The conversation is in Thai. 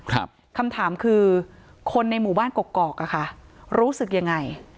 คำถามคือคนในหมู่บ้านกกอกอะค่ะรู้สึกยังไง